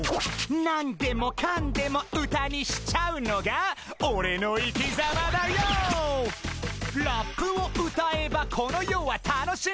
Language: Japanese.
「何でもかんでも歌にしちゃうのがオレの生きざまダＹＯ」「ラップを歌えばこの世は楽し」